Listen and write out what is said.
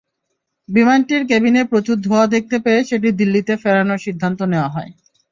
বিমানটির কেবিনে প্রচুর ধোঁয়া দেখতে পেয়ে সেটি দিল্লিতে ফেরানোর সিদ্ধান্ত নেওয়া হয়।